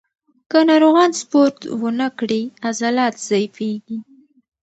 که ناروغان سپورت ونه کړي، عضلات ضعیفېږي.